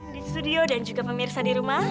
di studio dan juga pemirsa di rumah